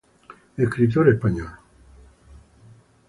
Escritor español.